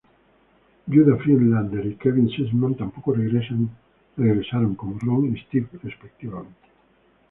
Judah Friedlander y Kevin Sussman tampoco regresaron como Ron y Steve, respectivamente.